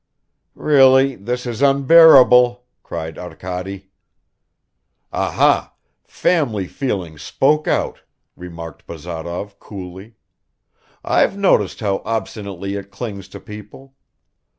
"Really, this is unbearable," cried Arkady. "Aha! family feeling spoke out," remarked Bazarov coolly. "I've noticed how obstinately it clings to people.